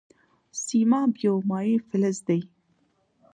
سیماب یو مایع فلز دی.